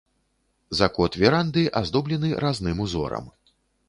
Закот веранды аздоблены разным узорам.